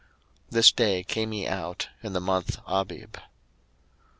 02:013:004 This day came ye out in the month Abib.